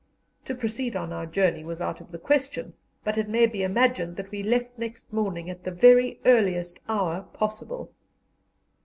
To proceed on our journey was out of the question, but it may be imagined that we left next morning at the very earliest hour possible.